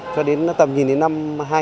cho đến tầm nhìn đến năm hai nghìn năm mươi